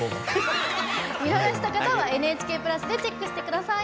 見逃した方は「ＮＨＫプラス」でチェックしてください。